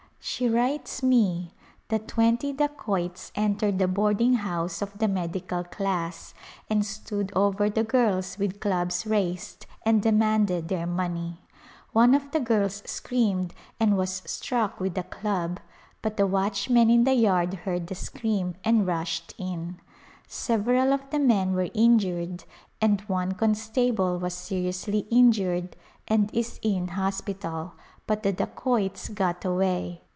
She writes me that twenty dacoits entered the boarding house of the medical class, and stood over the girls with clubs raised and demanded their money. One of the girls screamed and was struck with a club, but the watch men in the yard heard the scream and rushed in. Several of the men were injured and one constable was seriously injured and is in hospital, but the dacoits got away.